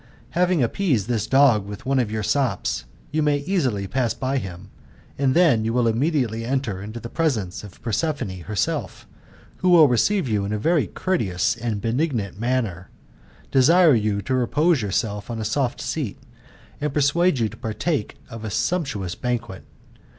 Having appeased this dog with one of your sops, you may easily pass by him, and then you will immediately enter into the presence of Prospefrine herself, who will receive you in a very courteous and benignant manner, desire you to repose yourself on a soft seat, and persuade you to partake of a sumptuous banquet.